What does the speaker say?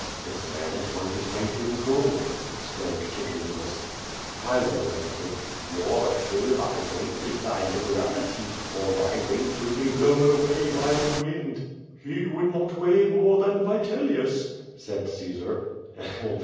"This man is woith his weight in gold," exclaimed Tigel linus. Chilo answered: "Jjord, fill my weight with thy liberalitj', or my weight will be blown away by the wind." "He would not weigh more than Vitelius," said Caesar.